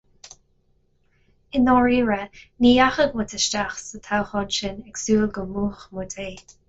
I ndáiríre, ní dheachaigh muid isteach sa toghchán sin ag súil go mbuafadh muid é.